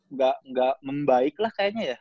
nggak membaik lah kayaknya ya